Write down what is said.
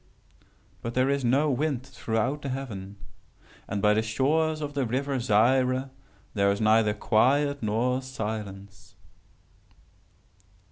But there is no wind throughout the heaven. And by the shores of the river Zaire there is neither quiet nor silence.